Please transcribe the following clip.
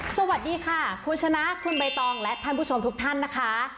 ซับตี้ค่ะคุณชนะคุณใบตองทั้งทุกท่านนะคะ